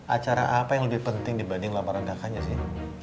acara apa yang lebih penting dibanding lapar redakannya sih